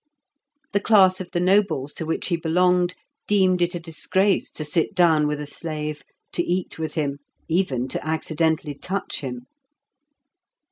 The class of the nobles to which he belonged deemed it a disgrace to sit down with a slave, to eat with him, even to accidently touch him.